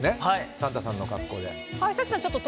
サンタさんの格好で。